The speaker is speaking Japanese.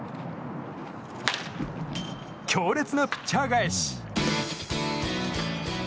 強烈なピッチャー返し！